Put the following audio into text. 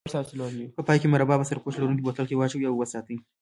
په پای کې مربا په سرپوښ لرونکي بوتل کې واچوئ او وساتئ.